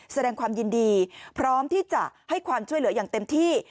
แสดงความยินดีพร้อมที่จะให้ความช่วยเหลืออย่างเต็มที่